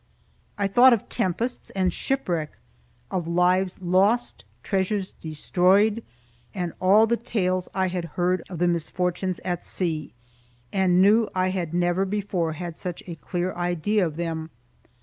I thought of tempests and shipwreck, of lives lost, treasures destroyed, and all the tales I had heard of the misfortunes at sea, and knew I had never before had such a clear idea of them.